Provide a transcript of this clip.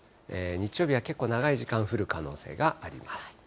日曜日は結構、長い時間、降る可能性があります。